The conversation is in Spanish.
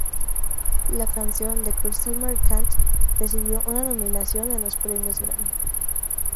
La canción, "The Crystal Merchant", recibió una nominación en los premios Grammy.